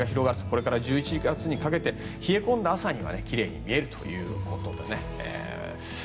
これから１１月にかけて冷え込んだ朝にはきれいに見えるということで。